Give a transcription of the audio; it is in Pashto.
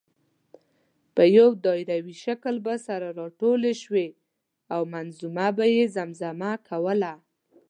په یو دایروي شکل به سره راټولې شوې او منظومه به یې زمزمه کوله.